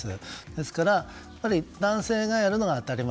ですから、男性がやるのは当たり前。